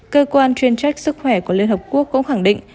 cơ quan chuyên trách sức khỏe của liên hợp quốc cũng khẳng định